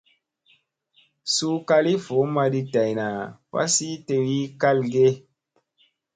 Suu kali voo maɗii dayna fasii tewii kalge ?